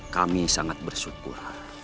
kami sangat bersyukur